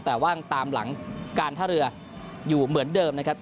แต่ว่างตามหลังการท่าเรืออยู่เหมือนเดิมนะครับ